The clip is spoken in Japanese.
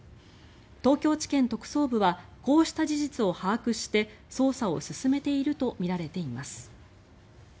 東京地検特捜部はこうした事実を把握して捜査を進めているとみられています。